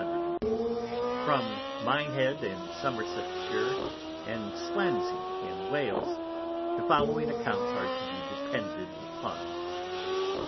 Wooddeson From Minehead in Somersetshire, and Swanzy in Wales, _the following Accounts are to be depended upon.